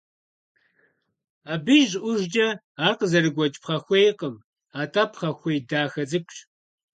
Абы и щӀыӀужкӀэ ар къызэрыгуэкӀ пхъэхуейкъым, атӀэ пхъэхуей дахэ цӀыкӀущ.